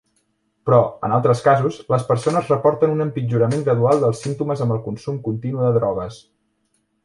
Però, en altres casos, les persones reporten un empitjorament gradual dels símptomes amb el consum continu de drogues.